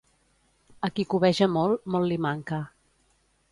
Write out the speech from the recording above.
A qui cobeja molt, molt li manca.